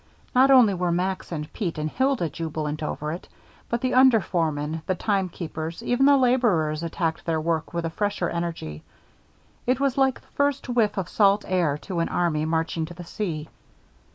Not only were Max and Pete and Hilda jubilant over it, but the under foremen, the timekeepers, even the laborers attacked their work with a fresher energy. It was like the first whiff of salt air to an army marching to the sea.